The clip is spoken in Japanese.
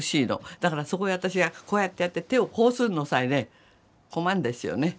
だからそこへ私がこうやってやって手をこうするのさえね困るんですよね。